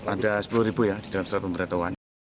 ada sepuluh ribu ya di dalam surat pemberitahuan